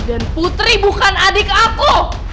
dan putri bukan adik aku